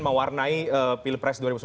mewarnai pilpres dua ribu sembilan belas